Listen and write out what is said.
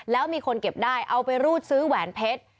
แล้วมีคนเก็บได้เอาไปรูดซื้อแหวนเพชร